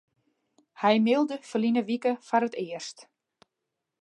Hy mailde ferline wike foar it earst.